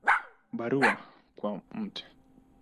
Barua kwa Mt.